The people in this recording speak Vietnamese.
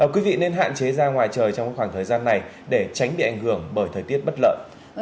quý vị nên hạn chế ra ngoài trời trong khoảng thời gian này để tránh bị ảnh hưởng bởi thời tiết bất lợi